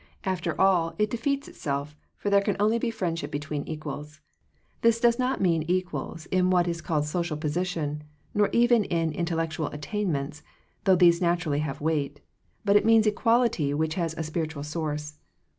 After all it defeats itself; for there can only be friendship between equals. This does not mean equals in what is called social position, nor even in intellectual attainments, though these naturally have weight, but it means equality which has a spiritual source.